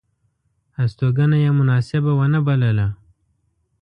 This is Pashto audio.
هستوګنه یې مناسبه ونه بلله.